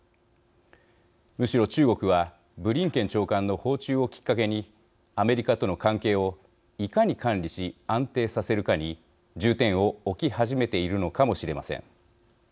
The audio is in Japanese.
むしろ中国はブリンケン長官の訪中をきっかけにアメリカとの関係をいかに管理し安定させるかに重点を置き始めているのかもしれません。